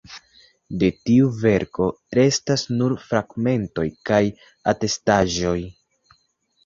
De tiu verko restas nur fragmentoj kaj atestaĵoj.